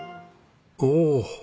おお。